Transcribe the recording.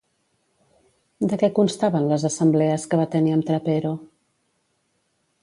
De què constaven les assemblees que va tenir amb Trapero?